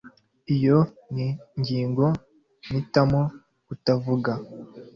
Iyo ni ingingo mpitamo kutavuga.